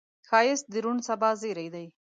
ښایست د روڼ سبا زیری دی